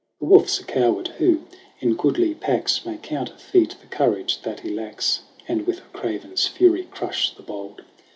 The wolPs a coward, who, in goodly packs, May counterfeit the courage that he lacks And with a craven's fury crush the bold.